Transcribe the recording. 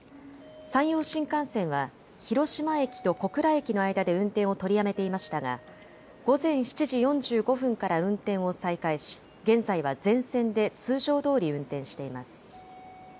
山陽新幹線は広島駅と小倉駅の間で運転を取りやめていましたが午前７時４５分から運転を再開し現在は全線で通常どおり運転しています。